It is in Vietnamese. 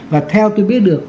và theo tôi biết được